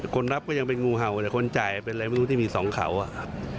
คนรับก็ยังเป็นสงูเห่าแต่คนจ่ายไม่รู้ที่มี๒เคามาย